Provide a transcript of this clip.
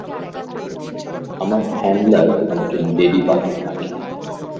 আমার হ্যান্ডলার আমাকে লেডিবাগ ডাকে।